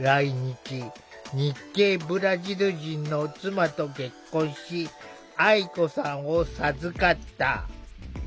日系ブラジル人の妻と結婚し愛子さんを授かった。